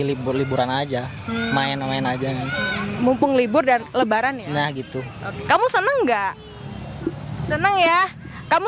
libur liburan aja main main aja mumpung libur dan lebaran ya nah gitu kamu seneng enggak seneng ya kamu